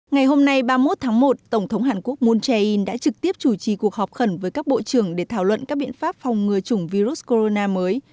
ngày hôm nay ba mươi một tháng một tổng thống hàn quốc moon jae in đã trực tiếp chủ trì cuộc họp khẩn với các bộ trưởng để thảo luận các biện pháp phòng ngừa chủng virus corona mới